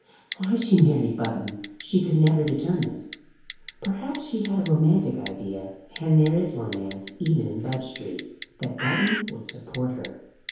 Why she married Button she could never determine. Perhaps she had a romantic idea and there is romance even in Budge Street that Button would support her.